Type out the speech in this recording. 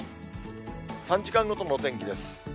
３時間ごとの天気です。